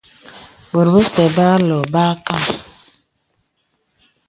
Bòt bəsɛ̄ bə âlɔ bə âkam.